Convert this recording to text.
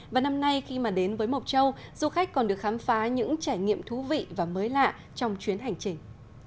và năm nay khi mà đến với mộc châu du khách còn được khám phá những trải nghiệm thú vị và mới lạ trong chuyến hành trình